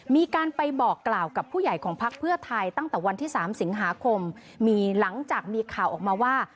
มีการไปบอกกล่าวกับผู้ใหญ่ของพักเพื่อไทยตั้งแต่วันที่๓สิงหาคมมีหลังจากมีข่าวออกมาว่า